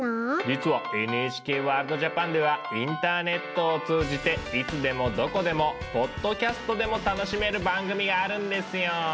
実は「ＮＨＫワールドＪＡＰＡＮ」ではインターネットを通じていつでもどこでもポッドキャストでも楽しめる番組があるんですよ。